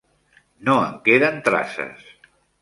No en queden traces.